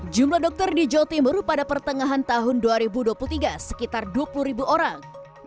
jumlah dokter di jawa timur pada pertengahan tahun dua ribu dua puluh tiga sekitar dua puluh ribu orang